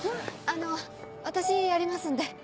あの私やりますんで。